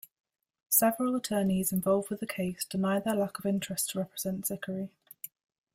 Several attorneys involved with the case denied their lack of interest to represent Zicari.